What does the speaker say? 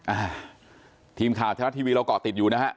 อ่าทีมข่าวชนัดทีวีเราก่อติดอยู่นะฮะ